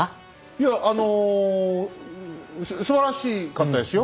いやあのすばらしかったですよ。